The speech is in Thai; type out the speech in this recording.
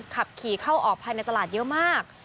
ขับขี่เข้าออกภายในตลาดเยอะมาก